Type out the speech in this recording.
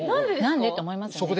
何でって思いますよね。